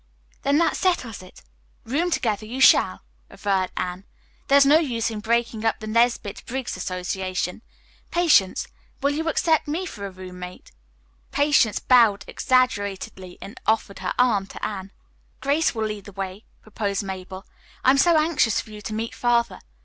"Then, that settles it. Room together you shall," averred Anne. "There is no use in breaking up the Nesbit Briggs Association. Patience, will you accept me for a roommate?" Patience bowed exaggeratedly and offered her arm to Anne. "Come on, Grace, we'll lead the way," proposed Mabel. "I am so anxious for you to meet Father.